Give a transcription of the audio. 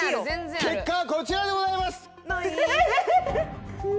結果はこちらでございます！